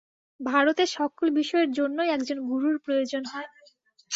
ভারতে সকল বিষয়ের জন্যই একজন গুরুর প্রয়োজন হয়।